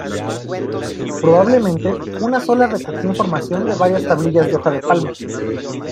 Probablemente una sola recogía la información de varias tablillas de hoja de palma.